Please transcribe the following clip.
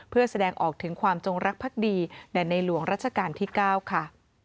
เพื่อแสดงออกถึงความจงรักภักดีแด่ในหลวงรัชกาลที่๙ค่ะ